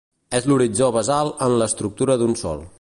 És l'horitzó basal de l'estructura d'un sòl.